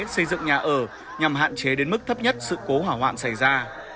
xây dựng nhà ở nhằm hạn chế đến mức thấp nhất sự cố hỏa hoạn xảy ra